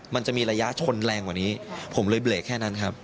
มันจะมีระยะชนแรงกว่านี้ผมเลยเบรกแค่นั้นครับ